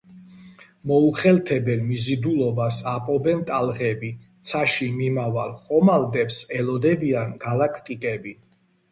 მოუხელთებელ მიზიდულობას აპობენ ტალღები. ცაში მიმავალ ხომალდებს ელოდებიან გალაქტიკები.